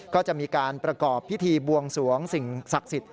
ก็จะมีการประกอบพิธีบวงสวงสิ่งศักดิ์สิทธิ